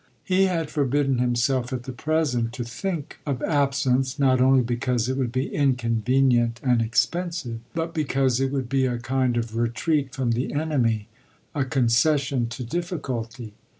He had forbidden himself at the present to think of absence, not only because it would be inconvenient and expensive, but because it would be a kind of retreat from the enemy, a concession to difficulty.